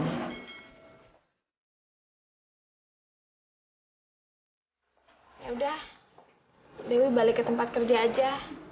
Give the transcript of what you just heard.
ya udah dewi balik ke tempat kerja aja